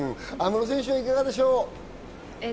路選手はいかがでしょう？